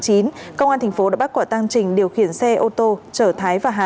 công an tp đã bắt quả tăng trình điều khiển xe ô tô trở thái và hà